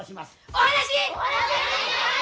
お話？